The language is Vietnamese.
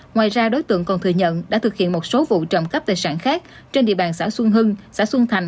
ngoài ra đối tượng còn thừa nhận đã thực hiện một số vụ trộm cắp tài sản khác trên địa bàn xã xuân hưng xã xuân thành